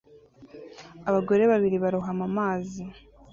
Abagore babiri barohama amazi